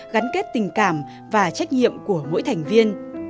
gắn kết tình cảm và trách nhiệm của mỗi thành viên